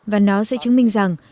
và nó sẽ chứng minh rằng